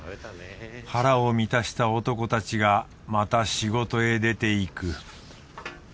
腹を満たした男たちがまた仕事へ出ていく。